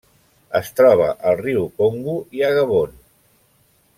Es troba al riu Congo i a Gabon.